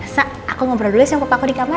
sa aku ngobrol dulu ya sama papa aku di kamar